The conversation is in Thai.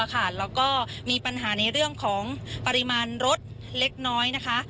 และมีปัญหาในเรื่องของปริมาณรถเล็กน้อย